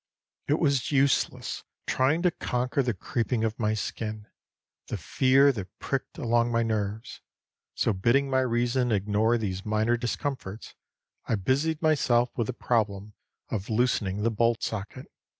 It was useless trying to conquer the creeping of my skin, the fear that pricked along my nerves; so, bidding my reason ignore these minor discomforts, I busied myself with the problem of loosening the bolt socket.